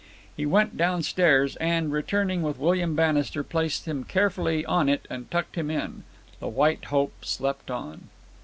He went downstairs, and, returning with William Bannister, placed him carefully on it and tucked him in. The White Hope slept on.